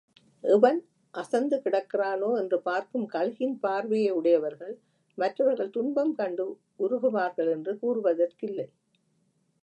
எவன் அசந்து கிடக்கிறானோ என்று பார்க்கும் கழுகின் பார்வையை உடையவர்கள், மற்றவர்கள் துன்பம் கண்டு உருகுவார்கள் என்று கூறுவதற்கில்லை.